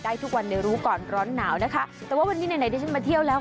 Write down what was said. ทุกวันในรู้ก่อนร้อนหนาวนะคะแต่ว่าวันนี้ไหนดิฉันมาเที่ยวแล้ว